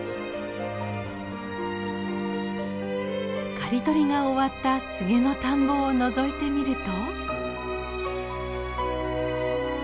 刈り取りが終わったスゲの田んぼをのぞいてみると。